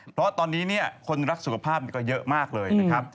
เพราะตอนนี้คนรักสุขภาพก็เยอะมากเลยนะครับ